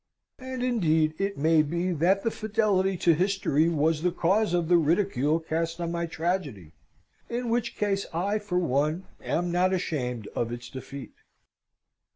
And indeed it may be that the fidelity to history was the cause of the ridicule cast on my tragedy, in which case I, for one, am not ashamed of its defeat.